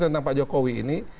tentang pak jokowi ini